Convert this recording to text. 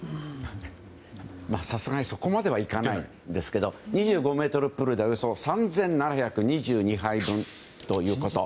さすがにそこまではいきませんが２５ｍプールでおよそ３７２２杯分ということ。